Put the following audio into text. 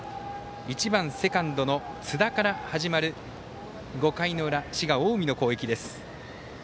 １番セカンドの津田から始まる５回の裏、滋賀・近江の攻撃です。